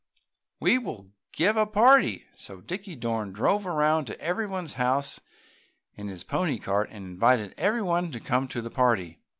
"We will give a party!" So Dickie drove around to everybody's house in his pony cart and invited everybody to come to the party.